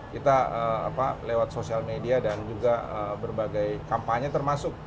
kita lewat sosial media dan juga berbagai kampanye termasuk